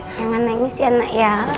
jangan nangis ya anak ya